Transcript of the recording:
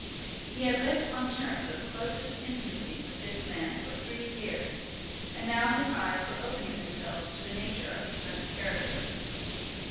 He had lived on terms of closest intimacy with this man for three years, and now his eyes were opening themselves to the nature of his friend's character.